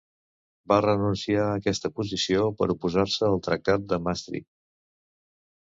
Va renunciar a aquesta posició per oposar-se al tractat de Maastricht.